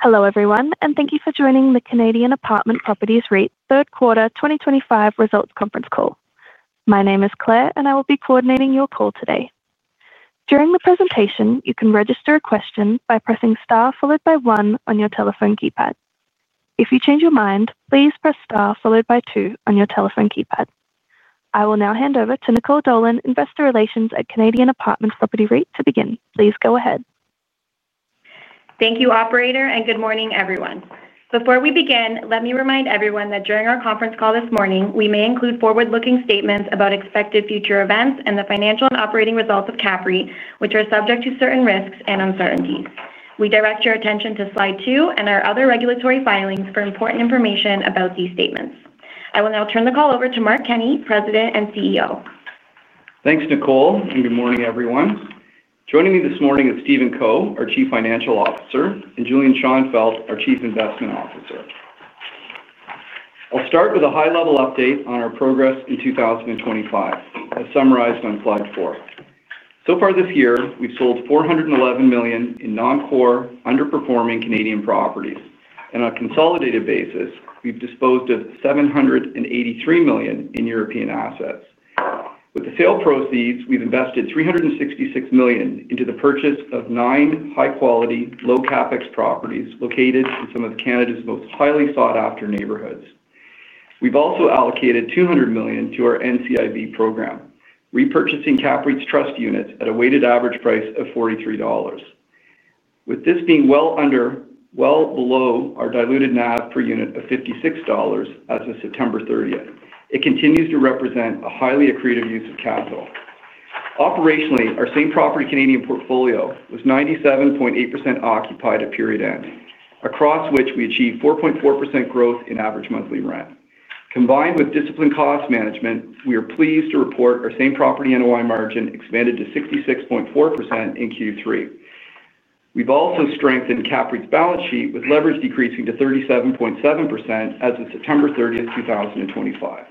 Hello everyone, and thank you for joining the Canadian Apartment Properties REIT Third Quarter 2025 Results Conference Call. My name is Claire, and I will be coordinating your call today. During the presentation, you can register a question by pressing star followed by one on your telephone keypad. If you change your mind, please press star followed by two on your telephone keypad. I will now hand over to Nicole Dolan, Investor Relations at Canadian Apartment Properties REIT, to begin. Please go ahead. Thank you, Operator, and good morning, everyone. Before we begin, let me remind everyone that during our conference call this morning, we may include forward-looking statements about expected future events and the financial and operating results of CAPREIT, which are subject to certain risks and uncertainties. We direct your attention to slide two and our other regulatory filings for important information about these statements. I will now turn the call over to Mark Kenney, President and CEO. Thanks, Nicole, and good morning, everyone. Joining me this morning is Stephen Co, our Chief Financial Officer, and Julian Schonfeldt, our Chief Investment Officer. I'll start with a high-level update on our progress in 2025, as summarized on slide four. So far this year, we've sold $411 million in non-core, underperforming Canadian properties. On a consolidated basis, we've disposed of $783 million in European assets. With the sale proceeds, we've invested $366 million into the purchase of nine high-quality, low-CapEx properties located in some of Canada's most highly sought-after neighborhoods. We've also allocated $200 million to our NCIB program, repurchasing CAPREIT's Trust Units at a weighted average price of $43. With this being well below our diluted NAV per unit of $56 as of September 30th, 2025, it continues to represent a highly accretive use of capital. Operationally, our Same Property Canadian portfolio was 97.8% occupied at period end, across which we achieved 4.4% growth in average monthly rent. Combined with disciplined cost management, we are pleased to report our Same Property NOI margin expanded to 66.4% in Q3. We've also strengthened CAPREIT's balance sheet with leverage decreasing to 37.7% as of September 30th, 2025.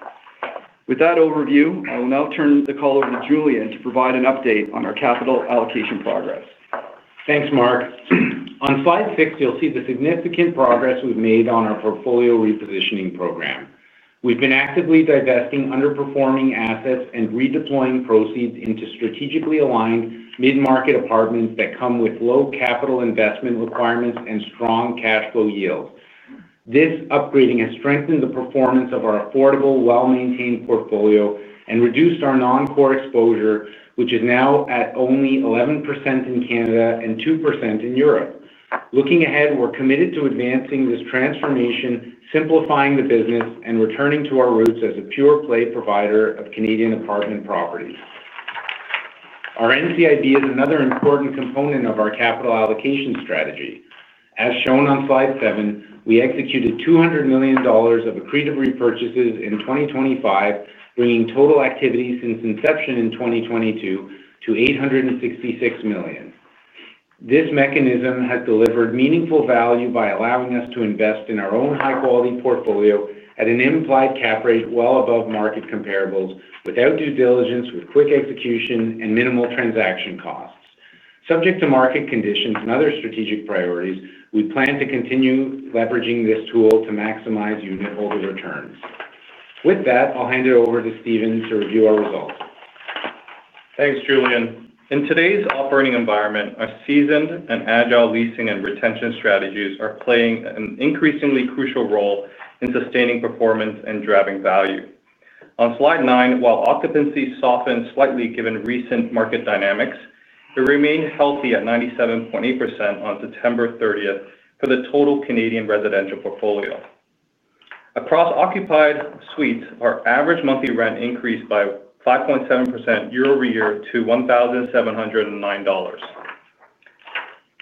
With that overview, I will now turn the call over to Julian to provide an update on our capital allocation progress. Thanks, Mark. On slide six, you'll see the significant progress we've made on our portfolio repositioning program. We've been actively divesting underperforming assets and redeploying proceeds into strategically aligned mid-market apartments that come with low capital investment requirements and strong cash flow yields. This upgrading has strengthened the performance of our affordable, well-maintained portfolio and reduced our non-core exposure, which is now at only 11% in Canada and 2% in Europe. Looking ahead, we're committed to advancing this transformation, simplifying the business, and returning to our roots as a pure-play provider of Canadian apartment properties. Our NCIB is another important component of our capital allocation strategy. As shown on slide seven, we executed $200 million of accretive repurchases in 2025, bringing total activity since inception in 2022 to $866 million. This mechanism has delivered meaningful value by allowing us to invest in our own high-quality portfolio at an implied cap rate well above market comparables without due diligence, with quick execution and minimal transaction costs. Subject to market conditions and other strategic priorities, we plan to continue leveraging this tool to maximize Unitholder returns. With that, I'll hand it over to Stephen to review our results. Thanks, Julian. In today's operating environment, our seasoned and agile leasing and retention strategies are playing an increasingly crucial role in sustaining performance and driving value. On slide nine, while occupancy softened slightly given recent market dynamics, it remained healthy at 97.8% on September 30th for the total Canadian residential portfolio. Across occupied suites, our average monthly rent increased by 5.7% year-over-year to $1,709.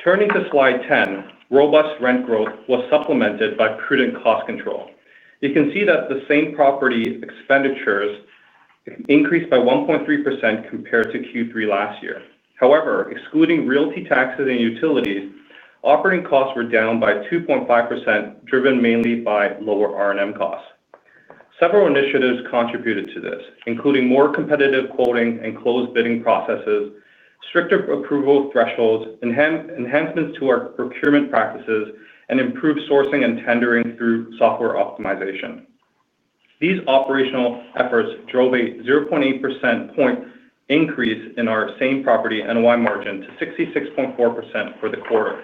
Turning to slide ten, robust rent growth was supplemented by prudent cost control. You can see that the Same Property expenditures increased by 1.3% compared to Q3 last year. However, excluding realty taxes and utilities, operating costs were down by 2.5%, driven mainly by lower R&M costs. Several initiatives contributed to this, including more competitive quoting and closed bidding processes, stricter approval thresholds, enhancements to our procurement practices, and improved sourcing and tendering through software optimization. These operational efforts drove a 0.8 percentage point increase in our Same Property NOI margin to 66.4% for the quarter.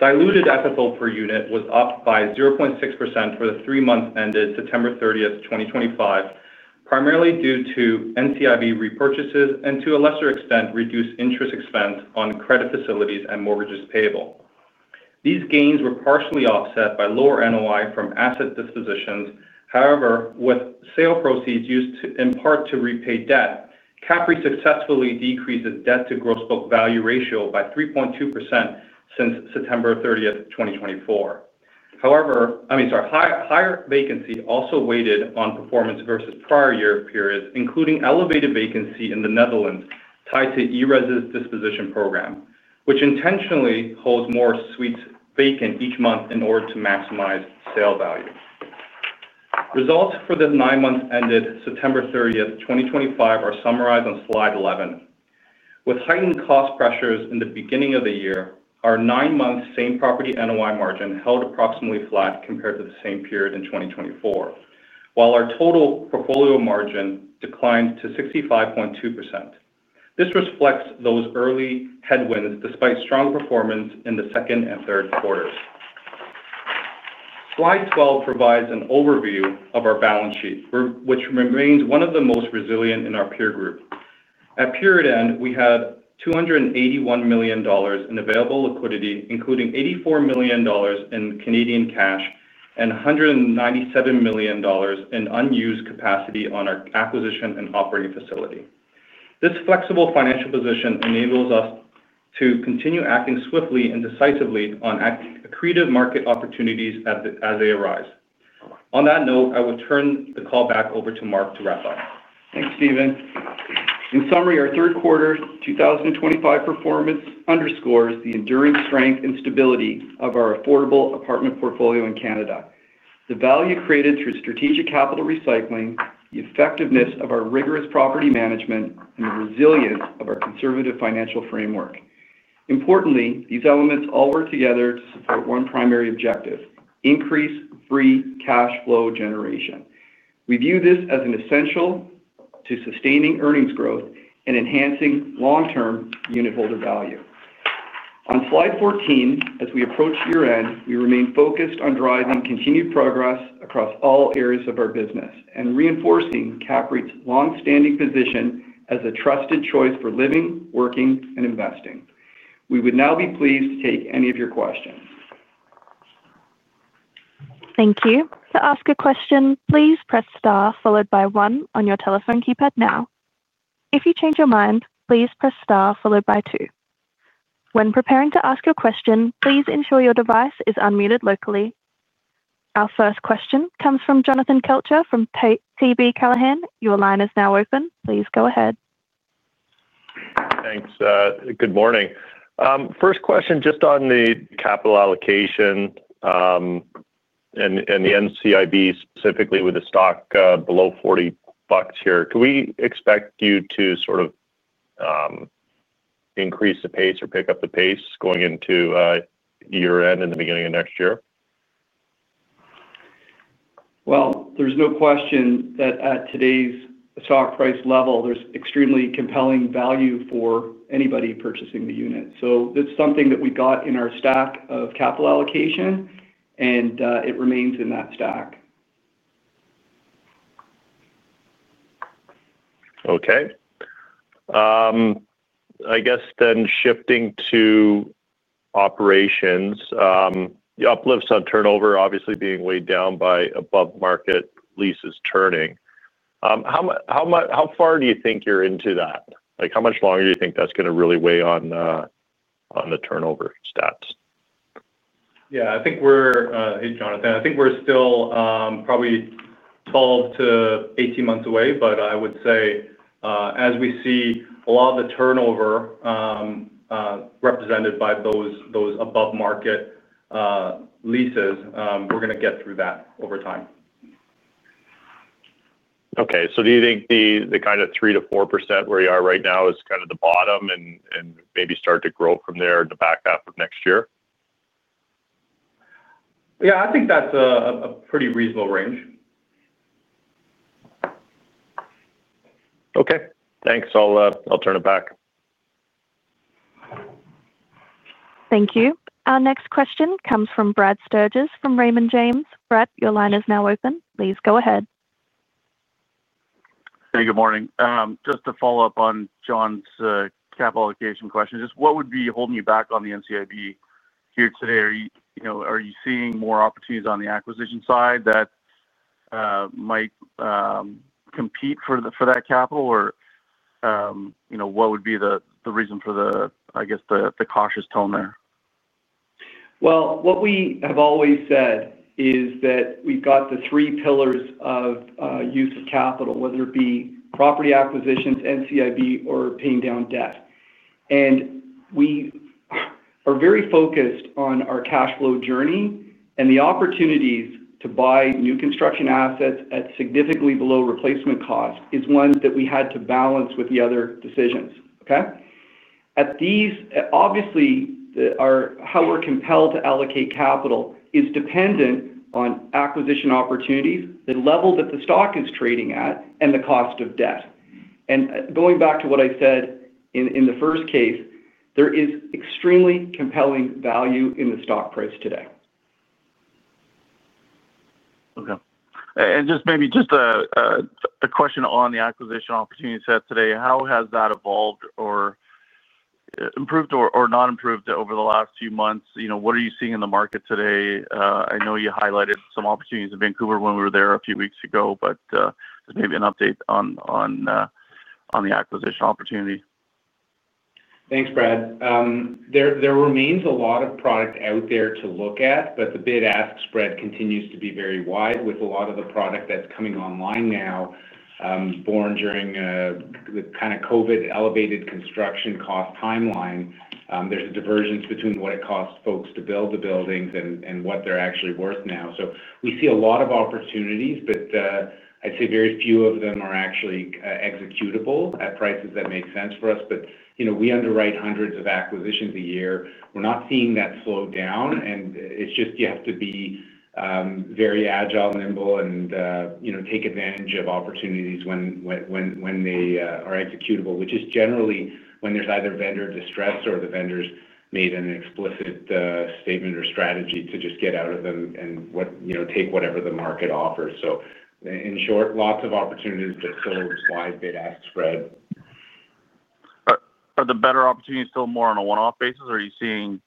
Diluted FFO per unit was up by 0.6% for the three months ended September 30th, 2025, primarily due to NCIB repurchases and, to a lesser extent, reduced interest expense on credit facilities and mortgages payable. These gains were partially offset by lower NOI from asset dispositions. However, with sale proceeds used in part to repay debt, CAPREIT successfully decreased its debt-to-gross book value ratio by 3.2% since September 30th, 2024. However, I mean, sorry, higher vacancy also weighed on performance versus prior year periods, including elevated vacancy in the Netherlands tied to ERES's disposition program, which intentionally holds more suites vacant each month in order to maximize sale value. Results for the nine months ended September 30th, 2025, are summarized on slide 11. With heightened cost pressures in the beginning of the year, our nine-month Same Property NOI margin held approximately flat compared to the same period in 2024, while our total portfolio margin declined to 65.2%. This reflects those early headwinds despite strong performance in the second and third quarters. Slide 12 provides an overview of our balance sheet, which remains one of the most resilient in our peer group. At period end, we had $281 million in available liquidity, including 84 million dollars in Canadian cash and $197 million in unused capacity on our acquisition and operating facility. This flexible financial position enables us to continue acting swiftly and decisively on accretive market opportunities as they arise. On that note, I will turn the call back over to Mark to wrap up. Thanks, Stephen. In summary, our third quarter 2025 performance underscores the enduring strength and stability of our affordable apartment portfolio in Canada, the value created through strategic capital recycling, the effectiveness of our rigorous property management, and the resilience of our conservative financial framework. Importantly, these elements all work together to support one primary objective: increase free cash flow generation. We view this as essential to sustaining earnings growth and enhancing long-term Unitholder value. On slide 14, as we approach year-end, we remain focused on driving continued progress across all areas of our business and reinforcing CAPREIT's long-standing position as a trusted choice for living, working, and investing. We would now be pleased to take any of your questions. Thank you. To ask a question, please press star followed by one on your telephone keypad now. If you change your mind, please press star followed by two. When preparing to ask your question, please ensure your device is unmuted locally. Our first question comes from Jonathan Kelcher from TD Cowen. Your line is now open. Please go ahead. Thanks. Good morning. First question, just on the capital allocation and the NCIB specifically with the stock below $40 here, can we expect you to sort of increase the pace or pick up the pace going into year-end in the beginning of next year? There is no question that at today's stock price level, there is extremely compelling value for anybody purchasing the unit. That is something that we have in our stack of capital allocation, and it remains in that stack. Okay. I guess then shifting to operations, the uplifts on turnover, obviously being weighed down by above-market leases turning. How far do you think you're into that? How much longer do you think that's going to really weigh on the turnover stats? Yeah, I think we're here, Jonathan. I think we're still probably 12-18 months away, but I would say as we see a lot of the turnover represented by those above-market leases, we're going to get through that over time. Okay. Do you think the kind of 3%-4% where you are right now is kind of the bottom and maybe start to grow from there in the back half of next year? Yeah, I think that's a pretty reasonable range. Okay. Thanks. I'll turn it back. Thank you. Our next question comes from Brad Sturges from Raymond James. Brad, your line is now open. Please go ahead. Hey, good morning. Just to follow up on John's capital allocation question, just what would be holding you back on the NCIB here today? Are you seeing more opportunities on the acquisition side that might compete for that capital, or what would be the reason for the, I guess, the cautious tone there? What we have always said is that we've got the three pillars of use of capital, whether it be property acquisitions, NCIB, or paying down debt. We are very focused on our cash flow journey, and the opportunities to buy new construction assets at significantly below replacement cost is one that we had to balance with the other decisions. Okay? Obviously, how we're compelled to allocate capital is dependent on acquisition opportunities, the level that the stock is trading at, and the cost of debt. Going back to what I said in the first case, there is extremely compelling value in the stock price today. Okay. Just maybe a question on the acquisition opportunity set today. How has that evolved or improved or not improved over the last few months? What are you seeing in the market today? I know you highlighted some opportunities in Vancouver when we were there a few weeks ago, but just maybe an update on the acquisition opportunity. Thanks, Brad. There remains a lot of product out there to look at, but the bid-ask spread continues to be very wide with a lot of the product that's coming online now, born during the kind of COVID-elevated construction cost timeline. There's a divergence between what it costs folks to build the buildings and what they're actually worth now. We see a lot of opportunities, but I'd say very few of them are actually executable at prices that make sense for us. We underwrite hundreds of acquisitions a year. We're not seeing that slow down, and it's just you have to be very agile, nimble, and take advantage of opportunities when they are executable, which is generally when there's either vendor distress or the vendor's made an explicit statement or strategy to just get out of them and take whatever the market offers. In short, lots of opportunities, but still wide bid-ask spread. Are the better opportunities still more on a one-off basis, or are you seeing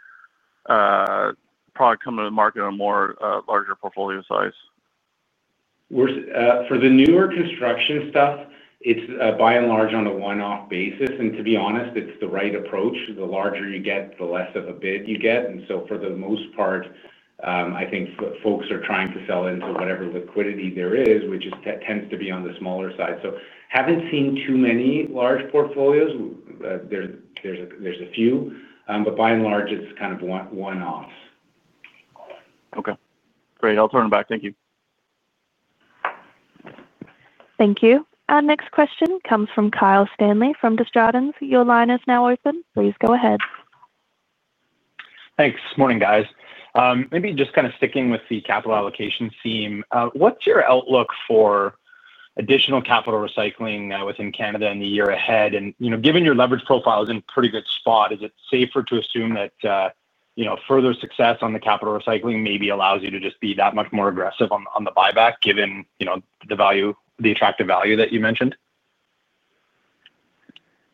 product come into the market on a larger portfolio size? For the newer construction stuff, it's by and large on a one-off basis. To be honest, it's the right approach. The larger you get, the less of a bid you get. For the most part, I think folks are trying to sell into whatever liquidity there is, which tends to be on the smaller side. I haven't seen too many large portfolios. There's a few, but by and large, it's kind of one-offs. Okay. Great. I'll turn it back. Thank you. Thank you. Our next question comes from Kyle Stanley from Desjardins. Your line is now open. Please go ahead. Thanks. Morning, guys. Maybe just kind of sticking with the capital allocation theme, what's your outlook for additional capital recycling within Canada in the year ahead? Given your leverage profile is in a pretty good spot, is it safer to assume that further success on the capital recycling maybe allows you to just be that much more aggressive on the buyback given the attractive value that you mentioned?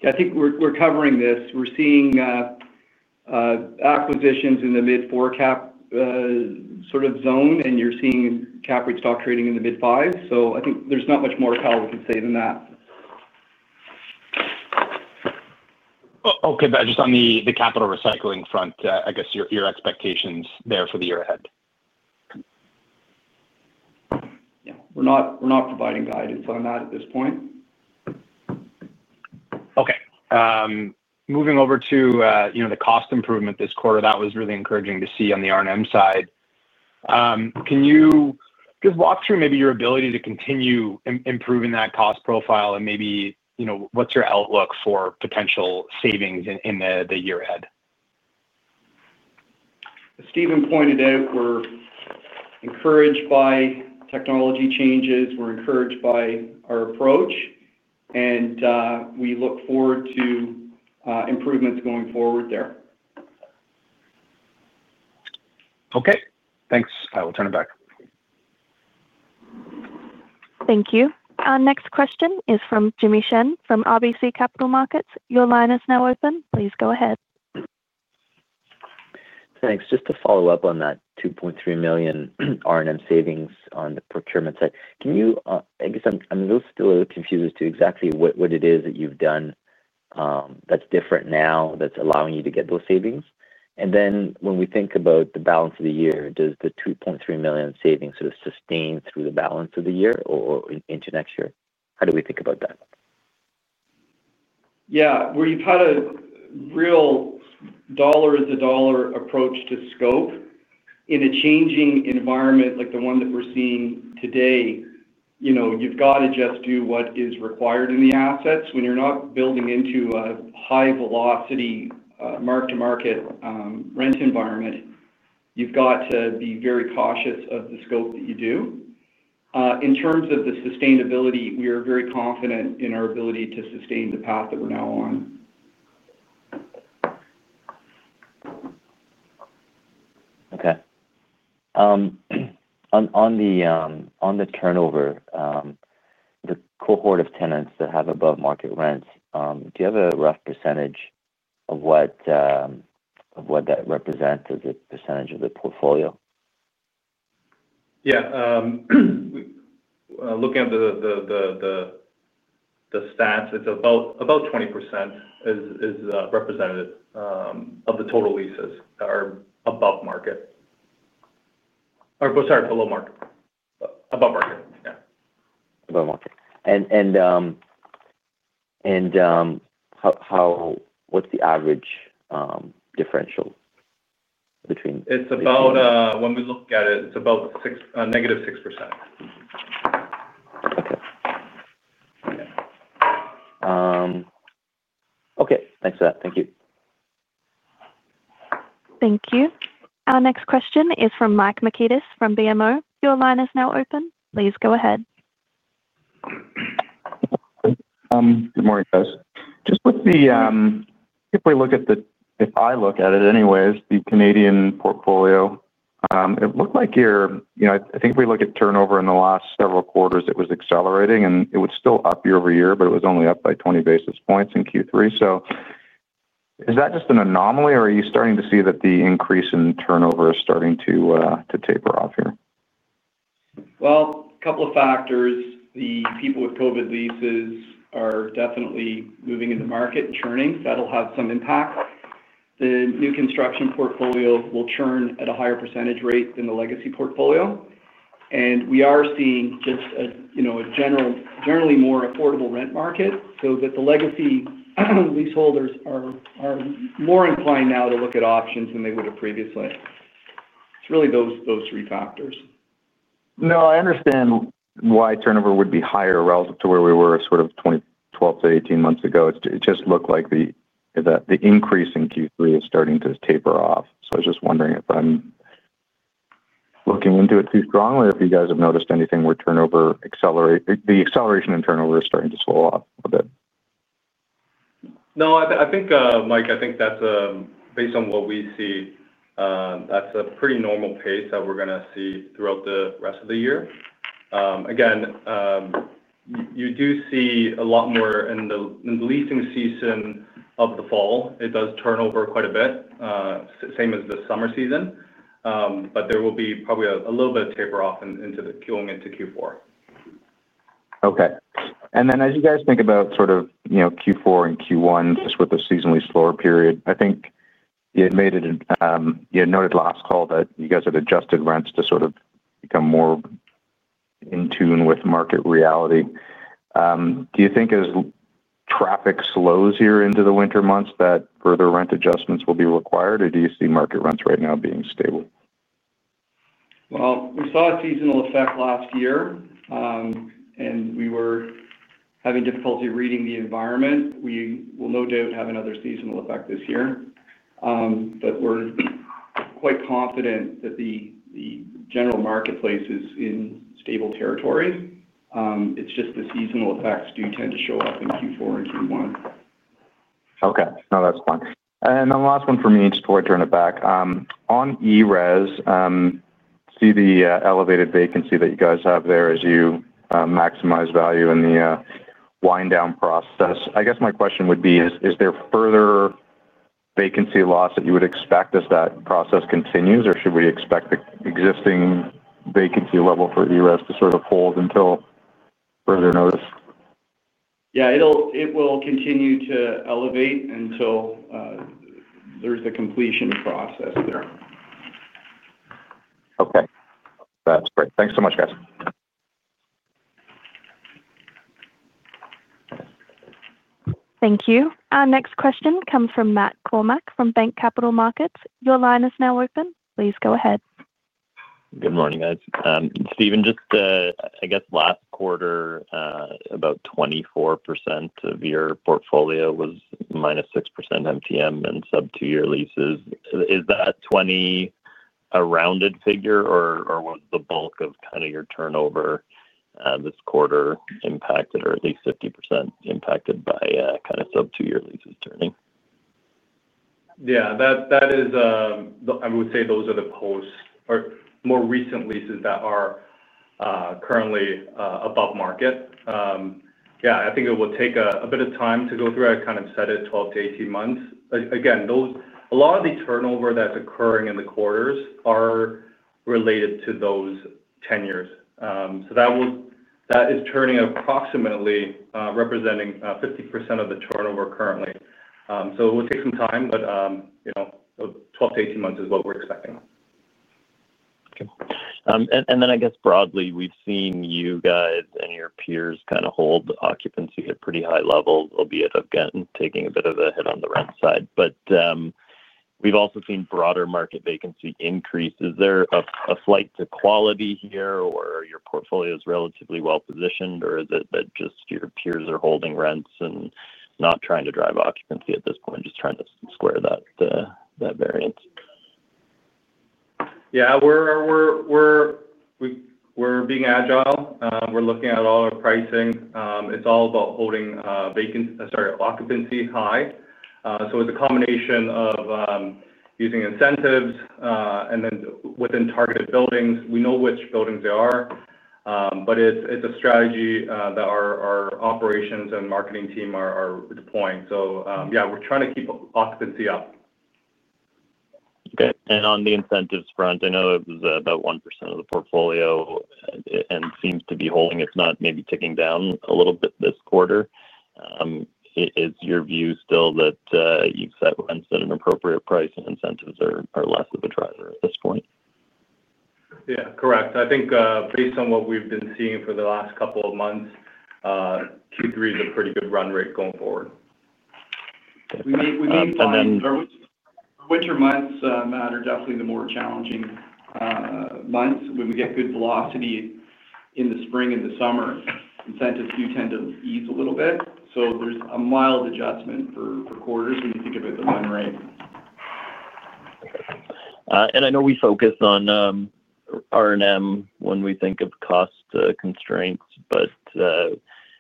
Yeah, I think we're covering this. We're seeing acquisitions in the mid-4 cap sort of zone, and you're seeing CAPREIT stock trading in the mid-5. So I think there's not much more power we can say than that. Okay. Just on the capital recycling front, I guess your expectations there for the year ahead? Yeah. We're not providing guidance on that at this point. Okay. Moving over to the cost improvement this quarter, that was really encouraging to see on the R&M side. Can you just walk through maybe your ability to continue improving that cost profile and maybe what's your outlook for potential savings in the year ahead? As Stephen pointed out, we're encouraged by technology changes. We're encouraged by our approach, and we look forward to improvements going forward there. Okay. Thanks. I will turn it back. Thank you. Our next question is from Jimmy Shan from RBC Capital Markets. Your line is now open. Please go ahead. Thanks. Just to follow up on that $2.3 million R&M savings on the procurement side, can you—I guess I'm still a little confused as to exactly what it is that you've done that's different now that's allowing you to get those savings. When we think about the balance of the year, does the $2.3 million savings sort of sustain through the balance of the year or into next year? How do we think about that? Yeah. Where you've had a real dollar-to-dollar approach to scope in a changing environment like the one that we're seeing today, you've got to just do what is required in the assets. When you're not building into a high-velocity mark-to-market rent environment, you've got to be very cautious of the scope that you do. In terms of the sustainability, we are very confident in our ability to sustain the path that we're now on. Okay. On the turnover, the cohort of tenants that have above-market rents, do you have a rough percentage of what that represents as a percentage of the portfolio? Yeah. Looking at the stats, it's about 20% is representative of the total leases that are above market. Or sorry, below market. Above market, yeah. Above market. What's the average differential between? It's about, when we look at it, it's about -6%. Okay. Thanks for that. Thank you. Thank you. Our next question is from Mike Markidis from BMO. Your line is now open. Please go ahead. Good morning, guys. Just with the—if we look at the—if I look at it anyway, the Canadian portfolio, it looked like your—I think if we look at turnover in the last several quarters, it was accelerating, and it was still up year-over-year, but it was only up by 20 basis points in Q3. Is that just an anomaly, or are you starting to see that the increase in turnover is starting to taper off here? A couple of factors. The people with COVID leases are definitely moving into the market and churning. That'll have some impact. The new construction portfolio will churn at a higher percentage rate than the legacy portfolio. We are seeing just a generally more affordable rent market so that the legacy leaseholders are more inclined now to look at options than they would have previously. It's really those three factors. No, I understand why turnover would be higher relative to where we were sort of 12-18 months ago. It just looked like the increase in Q3 is starting to taper off. I was just wondering if I'm looking into it too strongly or if you guys have noticed anything where the acceleration in turnover is starting to slow off a bit. No, I think, Mike, I think that's based on what we see, that's a pretty normal pace that we're going to see throughout the rest of the year. Again, you do see a lot more in the leasing season of the fall. It does turn over quite a bit, same as the summer season, but there will be probably a little bit of taper off into going into Q4. Okay. As you guys think about sort of Q4 and Q1, just with the seasonally slower period, I think you had made it—you had noted last call that you guys had adjusted rents to sort of become more in tune with market reality. Do you think as traffic slows here into the winter months that further rent adjustments will be required, or do you see market rents right now being stable? We saw a seasonal effect last year, and we were having difficulty reading the environment. We will no doubt have another seasonal effect this year, but we're quite confident that the general marketplace is in stable territory. It's just the seasonal effects do tend to show up in Q4 and Q1. Okay. No, that's fine. Then last one for me, just before I turn it back. On ERES, see the elevated vacancy that you guys have there as you maximize value in the wind-down process. I guess my question would be, is there further vacancy loss that you would expect as that process continues, or should we expect the existing vacancy level for ERES to sort of hold until further notice? Yeah. It will continue to elevate until there's a completion process there. Okay. That's great. Thanks so much, guys. Thank you. Our next question comes from Matt Kornack from Bank Capital Markets. Your line is now open. Please go ahead. Good morning, guys. Stephen, just I guess last quarter, about 24% of your portfolio was -6% MTM and sub-2-year leases. Is that a rounded figure, or was the bulk of kind of your turnover this quarter impacted, or at least 50% impacted by kind of sub-2-year leases turning? Yeah. I would say those are the post or more recent leases that are currently above market. Yeah. I think it will take a bit of time to go through. I kind of said it, 12-18 months. Again, a lot of the turnover that's occurring in the quarters are related to those tenures. So that is turning approximately representing 50% of the turnover currently. It will take some time, but 12-18 months is what we're expecting. Okay. I guess broadly, we've seen you guys and your peers kind of hold occupancy at a pretty high level, albeit again taking a bit of a hit on the rent side. We've also seen broader market vacancy increase. Is there a flight to quality here, or are your portfolios relatively well-positioned, or is it that just your peers are holding rents and not trying to drive occupancy at this point, just trying to square that variance? Yeah. We're being agile. We're looking at all our pricing. It's all about holding vacancy—sorry, occupancy—high. It's a combination of using incentives and then within targeted buildings. We know which buildings they are, but it's a strategy that our operations and marketing team are deploying. Yeah, we're trying to keep occupancy up. Okay. On the incentives front, I know it was about 1% of the portfolio and seems to be holding, if not maybe ticking down a little bit this quarter. Is your view still that you've set rents at an appropriate price and incentives are less of a driver at this point? Yeah. Correct. I think based on what we've been seeing for the last couple of months, Q3 is a pretty good run rate going forward. And then. Winter months, Matt, are definitely the more challenging months. When we get good velocity in the spring and the summer, incentives do tend to ease a little bit. There is a mild adjustment for quarters when you think about the run rate. I know we focused on R&M when we think of cost constraints, but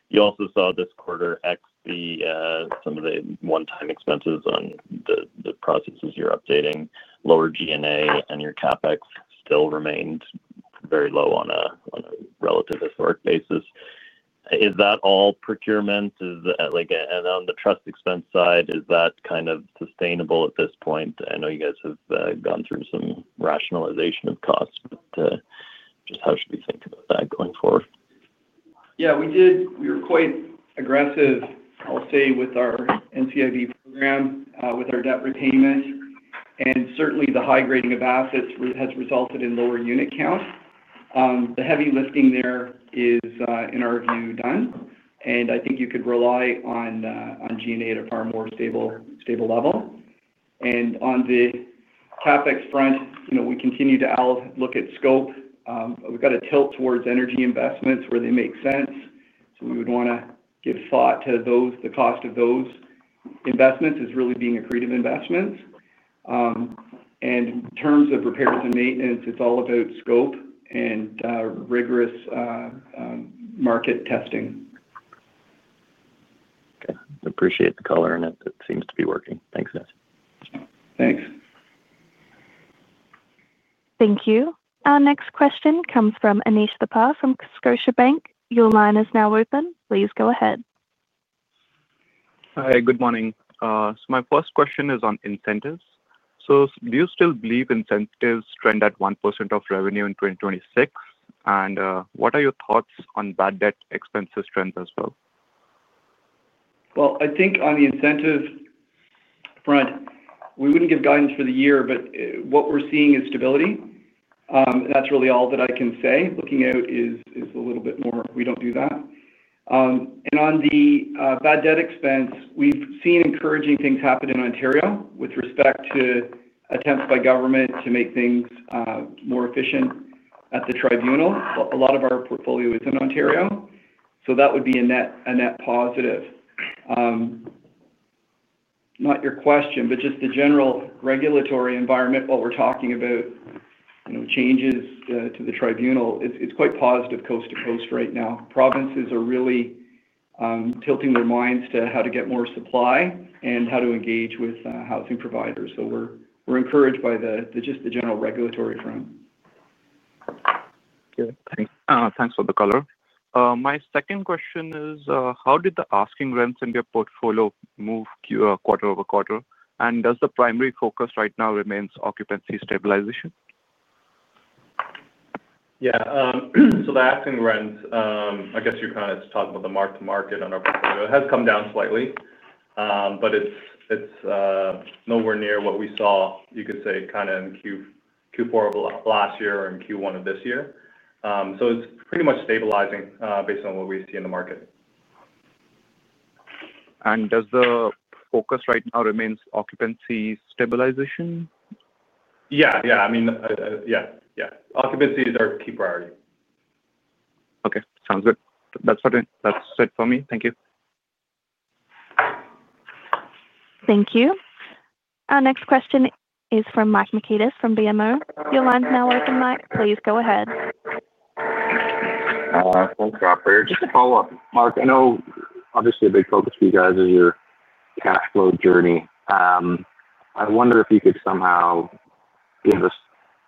you also saw this quarter exceed some of the one-time expenses on the processes you're updating. Lower G&A and your CapEx still remained very low on a relative historic basis. Is that all procurement? And on the Trust expense side, is that kind of sustainable at this point? I know you guys have gone through some rationalization of costs, but just how should we think about that going forward? Yeah. We did. We were quite aggressive, I'll say, with our NCIB program, with our debt repayment. Certainly, the high grading of assets has resulted in lower unit count. The heavy lifting there is, in our view, done. I think you could rely on G&A at a far more stable level. On the CapEx front, we continue to look at scope. We've got a tilt towards energy investments where they make sense. We would want to give thought to the cost of those investments as really being accretive investments. In terms of repairs and maintenance, it's all about scope and rigorous market testing. Okay. Appreciate the color in it. It seems to be working. Thanks, guys. Thanks. Thank you. Our next question comes from Anish Thapar from Scotiabank. Your line is now open. Please go ahead. Hi. Good morning. My first question is on incentives. Do you still believe incentives trend at 1% of revenue in 2026? What are your thoughts on bad debt expenses trends as well? I think on the incentives front, we wouldn't give guidance for the year, but what we're seeing is stability. That's really all that I can say. Looking out is a little bit more, we don't do that. On the bad debt expense, we've seen encouraging things happen in Ontario with respect to attempts by government to make things more efficient at the tribunal. A lot of our portfolio is in Ontario. That would be a net positive. Not your question, but just the general regulatory environment, what we're talking about, changes to the tribunal, it's quite positive coast to coast right now. Provinces are really tilting their minds to how to get more supply and how to engage with housing providers. We're encouraged by just the general regulatory front. Good. Thanks for the color. My second question is, how did the asking rents in your portfolio move quarter over quarter? Does the primary focus right now remain occupancy stabilization? Yeah. So the asking rents, I guess you're kind of talking about the mark-to-market on our portfolio. It has come down slightly, but it's nowhere near what we saw, you could say, kind of in Q4 of last year or in Q1 of this year. It is pretty much stabilizing based on what we see in the market. Does the focus right now remain occupancy stabilization? Yeah. I mean, yeah. Occupancy is our key priority. Okay. Sounds good. That's it for me. Thank you. Thank you. Our next question is from Mike Markidis from BMO. Your line's now open, Mike. Please go ahead. Thanks, Claire. Just to follow up, Mike, I know obviously a big focus for you guys is your cash flow journey. I wonder if you could somehow give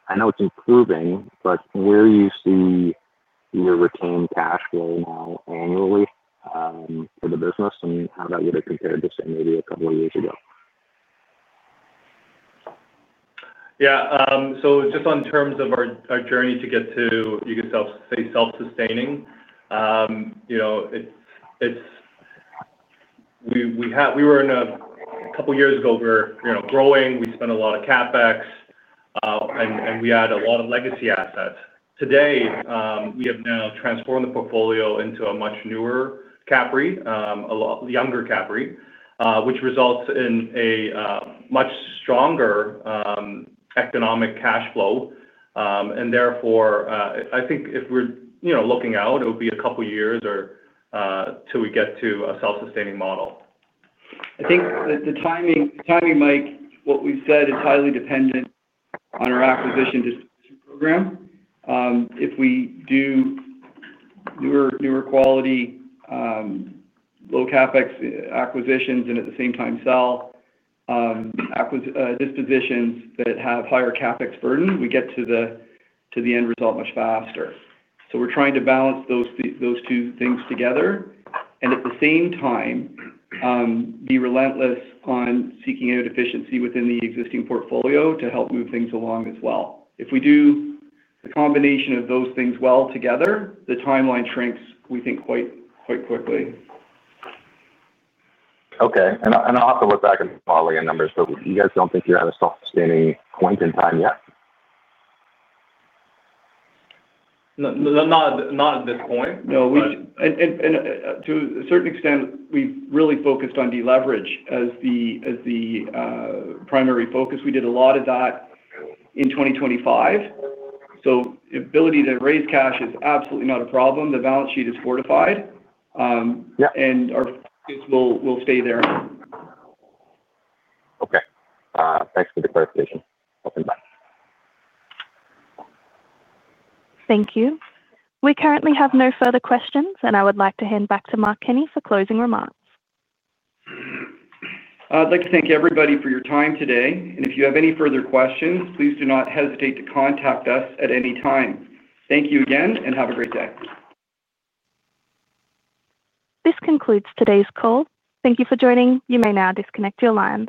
us—I know it's improving, but where do you see your retained cash flow now annually for the business, and how that would have compared to, say, maybe a couple of years ago? Yeah. Just in terms of our journey to get to, you could say, self-sustaining, we were in a couple of years ago, we were growing, we spent a lot of CapEx, and we had a lot of legacy assets. Today, we have now transformed the portfolio into a much newer CAPREIT, a younger CAPREIT, which results in a much stronger economic cash flow. Therefore, I think if we're looking out, it would be a couple of years or till we get to a self-sustaining model. I think the timing, Mike, what we've said is highly dependent on our acquisition disposition program. If we do newer quality, low CapEx acquisitions and at the same time sell dispositions that have higher CapEx burden, we get to the end result much faster. We're trying to balance those two things together.At the same time, be relentless on seeking out efficiency within the existing portfolio to help move things along as well. If we do the combination of those things well together, the timeline shrinks, we think, quite quickly. Okay. I'll have to look back at the quality of numbers. You guys don't think you're at a self-sustaining point in time yet? Not at this point. No. To a certain extent, we've really focused on deleverage as the primary focus. We did a lot of that in 2025. The ability to raise cash is absolutely not a problem. The balance sheet is fortified, and our focus will stay there. Okay. Thanks for the clarification. Hoping, Matt. Thank you. We currently have no further questions, and I would like to hand back to Mark Kenney for closing remarks. I'd like to thank everybody for your time today. If you have any further questions, please do not hesitate to contact us at any time. Thank you again, and have a great day. This concludes today's call. Thank you for joining. You may now disconnect your line.